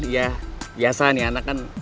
ya biasa nih anak kan